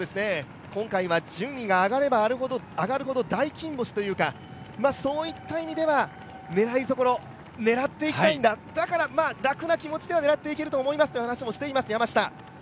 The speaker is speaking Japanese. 今回は順位が上がれば上がるほど大金星というかそういった意味では、狙えるところを狙っていきたいんだだから楽な気持ちでは狙っていけると思いますという話もしていました、山下。